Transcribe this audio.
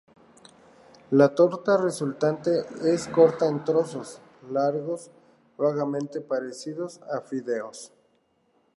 La torta resultante se corta en trozos largos vagamente parecidos a fideos.